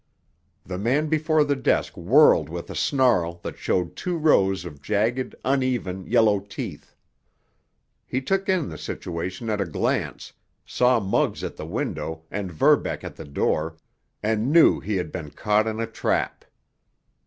The man before the desk whirled with a snarl that showed two rows of jagged, uneven, yellow teeth. He took in the situation at a glance, saw Muggs at the window, and Verbeck at the door, and knew he had been caught in a trap.